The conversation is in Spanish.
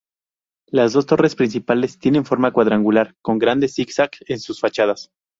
Las dos torres principales tienen forma cuadrangular con grandes zig-zags en sus fachadas.